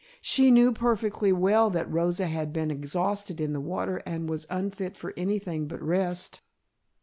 "She knew perfectly well that Rosa had been exhausted in the water and was unfit for anything but rest."